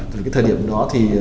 từ cái thời điểm đó thì